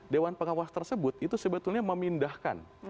dewan pengawas tersebut itu sebetulnya memindahkan